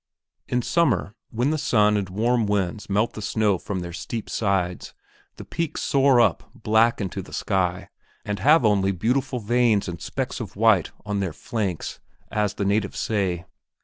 In summer, when the sun and warm winds melt the snow from their steep sides, the peaks soar up black into the sky and have only beautiful veins and specks of white on their flanks as the natives say.